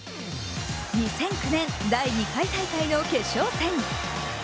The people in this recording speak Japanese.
２００９年、第２回大会の決勝戦。